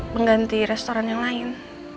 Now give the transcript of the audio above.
mengganti restoran yang lain